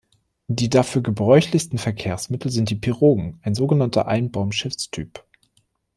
Die dafür gebräuchlichsten Verkehrsmittel sind die "Pirogen", ein sogenannter Einbaum-Schiffstyp.